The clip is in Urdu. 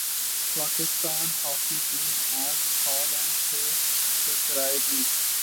پاکستان ہاکی ٹیم اج ہالینڈ سے ٹکرا ئے گی